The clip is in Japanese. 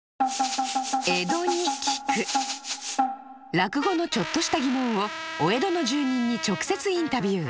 落語のちょっとした疑問をお江戸の住人に直接インタビュー。